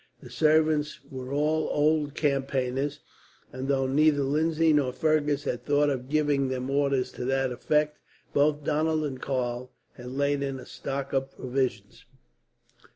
The servants were all old campaigners, and though neither Lindsay nor Fergus had thought of giving them orders to that effect, both Donald and Karl had laid in a stock of provisions.